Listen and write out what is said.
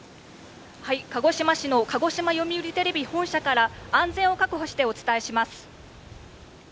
鹿児島市の鹿児島読売テレビ本社から、安全を確保してお伝えします。